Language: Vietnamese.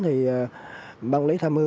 thì bán lý tham ưu